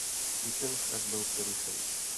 I ten však byl přerušen.